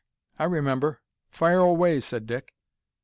I remember; fire away," said Dick.